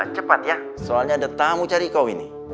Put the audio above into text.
cepat ya soalnya ada tamu cari kau ini